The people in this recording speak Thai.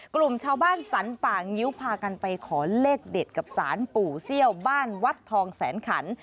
กลุ่มชาวบ้านสรรป่างิ้วพากันไปขอเลขเด็ดกับสารปู่เซี่ยวบ้านวัดทองแสนขัน